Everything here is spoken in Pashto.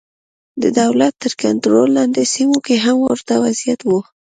د دولت تر کنټرول لاندې سیمو کې هم ورته وضعیت و.